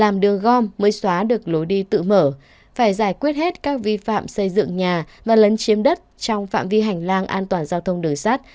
mới xóa được lối đi tự mở phải giải quyết hết các vi phạm xây dựng nhà và lấn chiếm đất trong phạm vi hành lang an toàn giao thông đường sắt